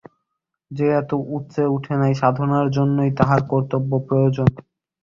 যে এত উচ্চে উঠে নাই, সাধনার জন্যই তাহার কর্তব্য প্রয়োজন।